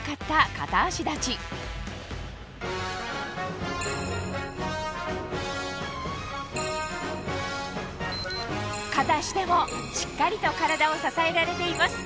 片足立ち片足でもしっかりと体を支えられています